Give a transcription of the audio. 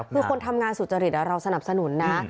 คือคนทำงานสุจริตเราสนับสนุนนะ